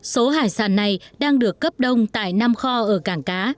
số hải sản này đang được cấp đông tại năm kho ở cảng cá